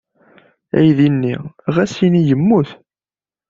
Aydi-nni ɣas ini yemmut.